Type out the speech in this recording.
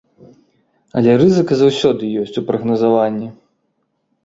Але рызыка заўсёды ёсць у прагназаванні.